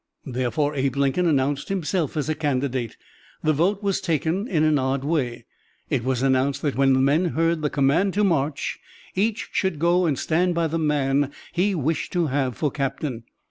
Therefore Abe Lincoln announced himself as a candidate. The vote was taken in an odd way. It was announced that when the men heard the command to march, each should go and stand by the man he wished to have for captain.